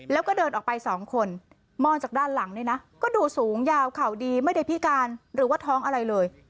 แล้วก็เดินออกไปสองคนมองจากด้านหลังนี่นะก็ดูสูงยาวเข่าดีไม่ได้พิการหรือว่าท้องอะไรเลย